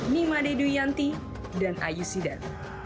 ini mima deduyanti dan ayu sidat